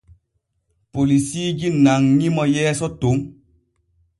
Polisiiji nanŋi mo yeeso ton.